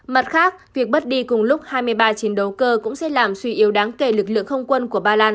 mặt khác việc bất đi cùng lúc hai mươi ba chiến đấu cơ cũng sẽ làm suy yếu đáng kể lực lượng không quân của ba lan